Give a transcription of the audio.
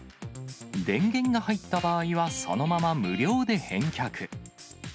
電源が入った場合はそのまま無料で返却。